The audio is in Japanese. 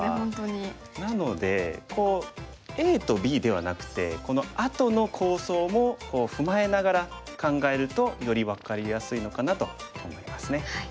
なのでＡとＢではなくてこのあとの構想も踏まえながら考えるとより分かりやすいのかなと思いますね。